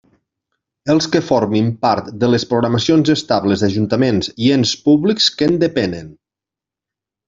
Els que formin part de les programacions estables d'ajuntaments i ens públics que en depenen.